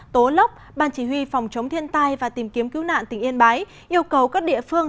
tố lốc ban chỉ huy phòng chống thiên tai và tìm kiếm cứu nạn tỉnh yên bái yêu cầu các địa phương